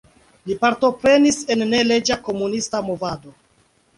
Li partoprenis en neleĝa komunista movado.